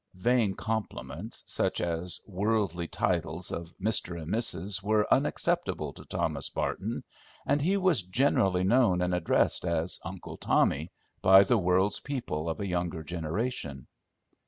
Vain compliments, such as worldly titles of Mr. and Mrs., were unacceptable to Thomas Barton, and he was generally known and addressed as "Uncle Tommy" by the world's people of a younger generation.